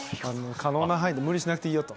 可能な範囲で無理しなくていいよと。